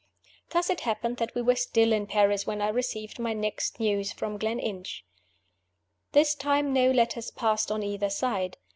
Thus it happened that we were still in Paris when I received my next news from Gleninch. This time no letters passed on either side.